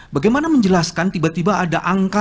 bagaimana menjelaskan tiba tiba ada angka